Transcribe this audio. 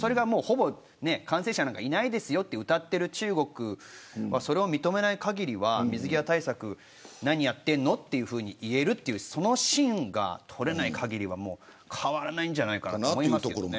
感染者がほぼいないとうたっている中国がそれを認めない限りは水際対策何をやっているのと言えるというその芯が取れない限り変わらないんじゃないかな。